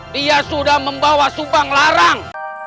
dia sudah membawa subang larang